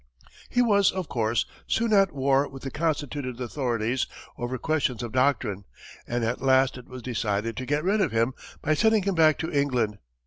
He was, of course, soon at war with the constituted authorities over questions of doctrine, and at last it was decided to get rid of him by sending him back to England.